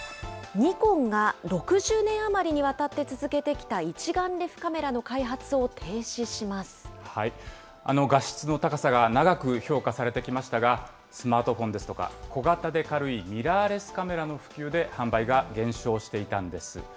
ニコンが６０年余りにわたって続けてきた、一眼レフカメラの開発画質の高さが長く評価されてきましたが、スマートフォンですとか、小型で軽いミラーレスカメラの普及で、販売が減少していたんです。